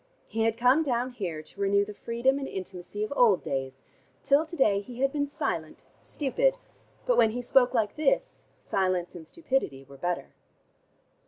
He had come down here to renew the freedom and intimacy of old days: till to day he had been silent, stupid, but when he spoke like this, silence and stupidity were better.